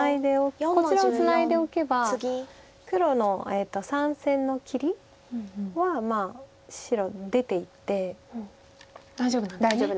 こちらをツナいでおけば黒の３線の切りは白出ていって大丈夫なんです。